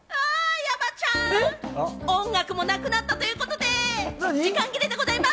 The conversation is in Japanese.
山ちゃん、音楽もなくなったということで、時間切れでございます。